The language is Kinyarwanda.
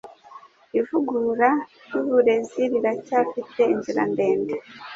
Ivugurura ryuburezi riracyafite inzira ndende.